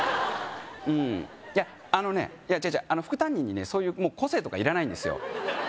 うんいやあのねいや違う違うあの副担任にねそういうもう個性とかいらないんですよ